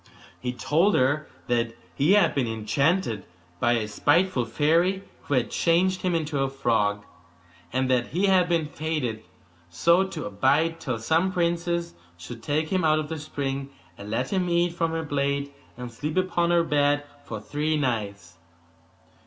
He told her that he had been enchanted by a spiteful fairy, who had changed him into a frog; and that he had been fated so to abide till some princess should take him out of the spring, and let him eat from her plate, and sleep upon her bed for three nights.